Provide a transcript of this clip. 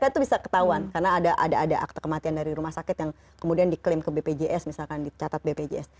itu bisa ketahuan karena ada akte kematian dari rumah sakit yang kemudian diklaim ke bpjs misalkan dicatat bpjs